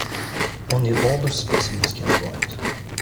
Only the older specimens can divide.